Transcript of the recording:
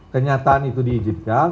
kenyataan itu diizinkan